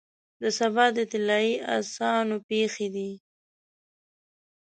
د سبا د طلایې اسانو پښې دی،